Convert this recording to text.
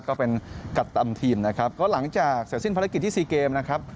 ก็เป็นกัปตันทีมนะครับก็หลังจากเสร็จสิ้นภารกิจที่ซีเกมนะครับ